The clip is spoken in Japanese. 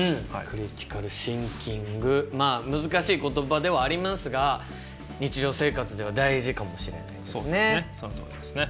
クリティカル・シンキングまあ難しい言葉ではありますが日常生活では大事かもしれないですね。